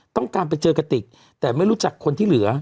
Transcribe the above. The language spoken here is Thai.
ต้องการไปเจอกติกแต่ไม่รู้จักคนที่เหลือ